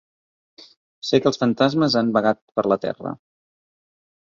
Sé que els fantasmes han vagat per la Terra.